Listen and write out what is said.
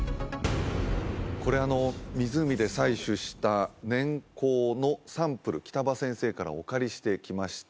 これ湖で採取した年縞のサンプル北場先生からお借りしてきました